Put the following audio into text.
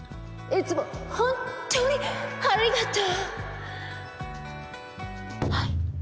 いつも本当にありがとう。